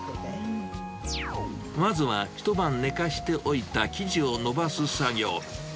まずは一晩寝かせておいた生地をのばす作業。